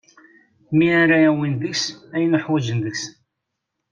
Mi ara awin deg-s ayen uḥwaǧen deg-sen.